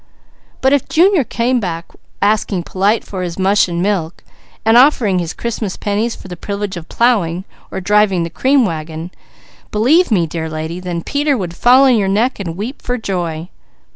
But if Junior came back asking polite for his mush and milk, and offering his Christmas pennies for the privilege of plowing, or driving the cream wagon, believe me dear lady, then Peter would fall on your neck and weep for joy."